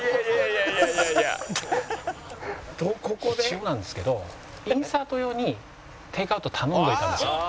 一応なんですけどインサート用にテイクアウト頼んでおいたんですよ。